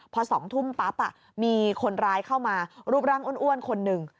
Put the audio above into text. พอ๒ทุ่มปั๊บมีคนร้ายเข้ามารูปร่างอ้วนคนหนึ่ง